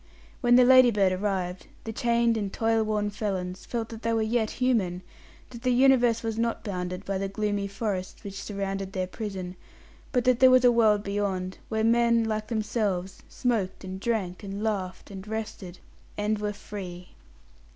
When the Ladybird arrived, the chained and toil worn felons felt that they were yet human, that the universe was not bounded by the gloomy forests which surrounded their prison, but that there was a world beyond, where men, like themselves, smoked, and drank, and laughed, and rested, and were Free.